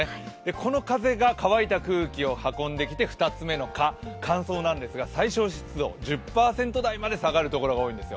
この風が乾いた空気を運んできて２つ目の「か」、乾燥なんですが、最小湿度１０％台まで下がる所が多いんですよ。